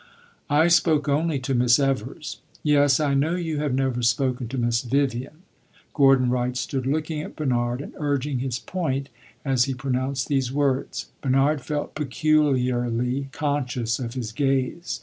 "I spoke only to Miss Evers." "Yes, I know you have never spoken to Miss Vivian." Gordon Wright stood looking at Bernard and urging his point as he pronounced these words. Bernard felt peculiarly conscious of his gaze.